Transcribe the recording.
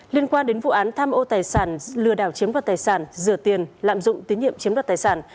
liên quan đến vụ án tham ô tài sản lừa đảo chiếm đoạt tài sản rửa tiền lạm dụng tín nhiệm chiếm đoạt tài sản